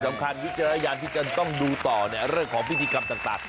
สำคัญวิทยาละยานที่กันต้องดูต่อเนี่ยเรื่องของพิธีกรรมต่าง